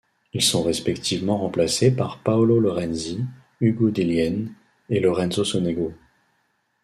Ils sont respectivement remplacés par Paolo Lorenzi, Hugo Dellien et Lorenzo Sonego.